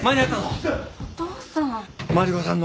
お父さん。